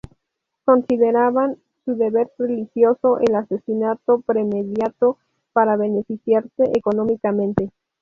Consideraban su deber religioso el asesinato premeditado para beneficiarse económicamente.